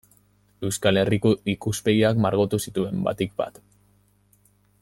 Euskal Herriko ikuspegiak margotu zituen, batik bat.